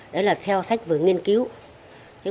đấy là theo sách vừa nghiên cứu